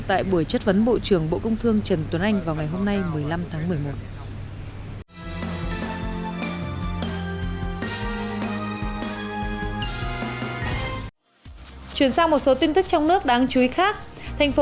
tại buổi chất vấn bộ trưởng bộ công thương trần tuấn anh vào ngày hôm nay một mươi năm tháng một mươi một